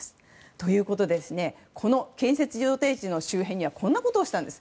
ということでこの建設予定地の周辺にこんなことをしたんです。